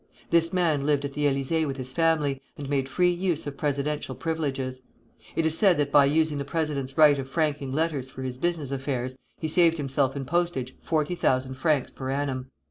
This man lived at the Élysée with his family, and made free use of presidential privileges. It is said that by using the president's right of franking letters for his business affairs, he saved himself in postage forty thousand francs per annum.